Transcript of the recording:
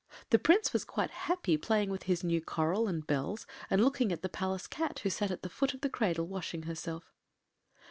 The Prince was quite happy, playing with his new coral and bells, and looking at the Palace cat, who sat at the foot of the cradle washing herself.